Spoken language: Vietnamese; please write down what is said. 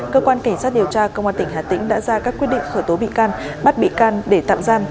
cơ quan cảnh sát điều tra công an tỉnh hà tĩnh đã ra các quyết định khởi tố bị can bắt bị can để tạm giam